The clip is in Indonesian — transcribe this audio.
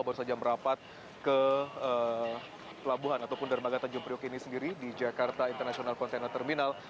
baru saja merapat ke pelabuhan ataupun dermaga tanjung priok ini sendiri di jakarta international container terminal